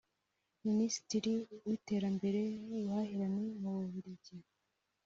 Minisitiri w’iterambere n’ubuhahirane mu Bubiligi